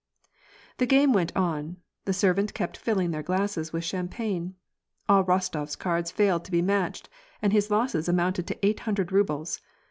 The game went on ; the servant kept filling their glasses with champagne. All Bostof s cards failed to be matched, and his losses amounted to eight hundred rubles.